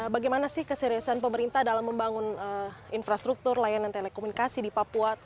bagaimana sih keseriusan pemerintah dalam membangun infrastruktur layanan telekomunikasi di papua